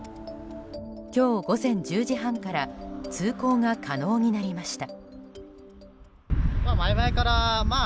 今日午前１０時半から通行が可能になりました。